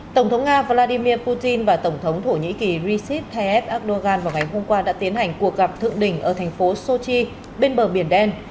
tổng thống nga vladimir putin và tổng thống thổ nhĩ kỳ recep tayyip erdogan vào ngày hôm qua đã tiến hành cuộc gặp thượng đỉnh ở thành phố sochi bên bờ biển đen